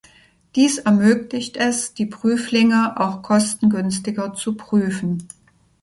Dies ermöglicht es, die Prüflinge auch kostengünstiger zu prüfen.